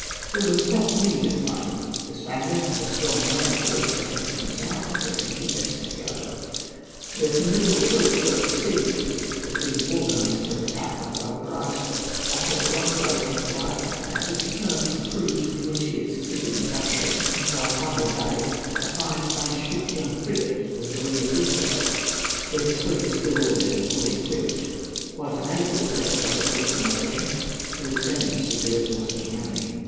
There was prompt need of fighting. The Spaniards had a strong land force pressing up from the south and threatening to invest Santiago. Their formidable fleet swept the seas, and was being organized for an attack on Valparaiso. Admiral Blanco Encalada had just returned from a cruise in which he had succeeded in capturing, in Talcuanho Bay, a fine Spanish fifty gun frigate, the Maria Isabel; but his fleet was ill ordered and poorly equipped, quite unable, without thorough re organization, to withstand the superior force of the enemy.